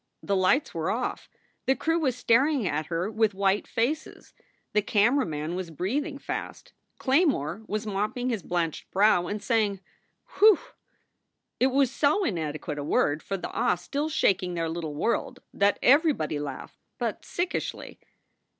The lights were off. The crew was staring at her with white faces. The camera man was breathing fast. Claymore was mopping his blenched brow and saying, "Whew!" It was so inadequate a word for the awe still shaking their little world, that everybody laughed but sickishly.